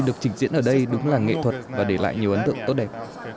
được trình diễn ở đây đúng là nghệ thuật và để lại nhiều ấn tượng tốt đẹp